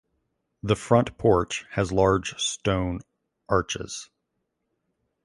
The front porch has large stone arches.